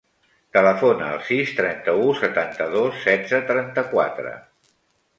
Telefona al sis, trenta-u, setanta-dos, setze, trenta-quatre.